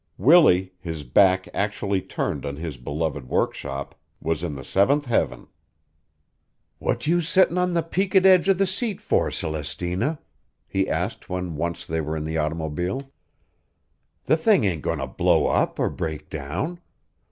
Willie, his back actually turned on his beloved workshop, was in the seventh heaven. "What you settin' on the peaked edge of the seat for, Celestina?" he asked when once they were in the automobile. "The thing ain't goin' to blow up or break down.